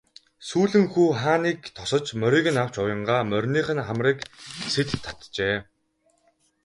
Сүүлэн хүү хааны тосож морийг нь авч уянгаа мориных нь хамрыг сэт татжээ.